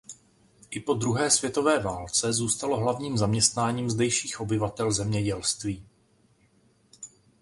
I po druhé světové válce zůstalo hlavním zaměstnáním zdejších obyvatel zemědělství.